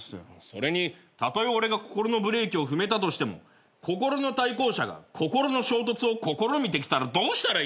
それにたとえ俺が心のブレーキを踏めたとしても心の対向車が心の衝突を試みてきたらどうしたらいいんだよ。